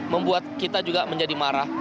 membuat kita juga menjadi marah